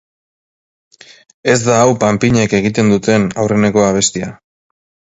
Ez da hau panpinek egiten duten aurreneko abestia.